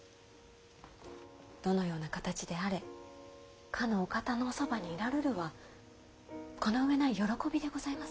どのような形であれかのお方のおそばにいらるるはこの上ない喜びでございます。